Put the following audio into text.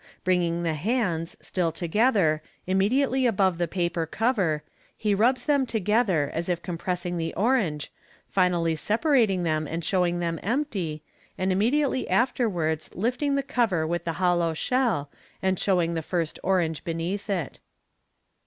Bringing the hands, still together, immediately above the paper cover, he rubs them together as if compressing the orange, finally separating them and showing them empty, and immediately afterwards lifting the cover with the hollow shell, and showing the first orange beneath it.